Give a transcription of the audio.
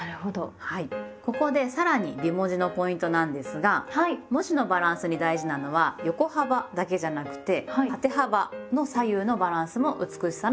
ここでさらに美文字のポイントなんですが文字のバランスに大事なのは横幅だけじゃなくて縦幅の左右のバランスも美しさのポイントです。